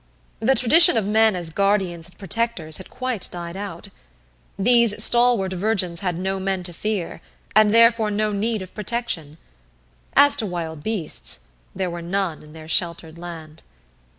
The tradition of men as guardians and protectors had quite died out. These stalwart virgins had no men to fear and therefore no need of protection. As to wild beasts there were none in their sheltered land.